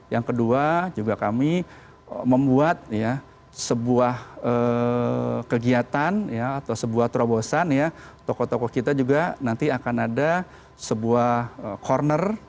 yang kedua juga kami membuat sebuah kegiatan atau sebuah terobosan ya tokoh tokoh kita juga nanti akan ada sebuah corner